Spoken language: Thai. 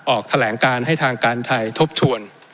ออกแถลงการให้ทางการไทยทบทวน